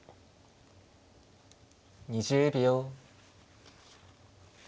２０秒。